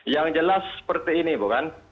yang jelas seperti ini bukan